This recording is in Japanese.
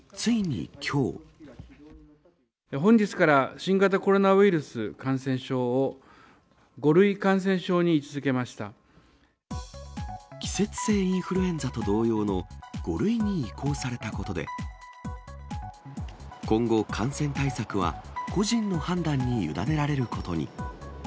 本日から新型コロナウイルス感染症を、季節性インフルエンザと同様の５類に移行されたことで、今後、感染対策は個人の判断に委ねられることに。